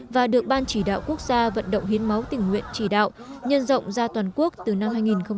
và được ban chỉ đạo quốc gia vận động hiến máu tình nguyện chỉ đạo nhân rộng ra toàn quốc từ năm hai nghìn một mươi sáu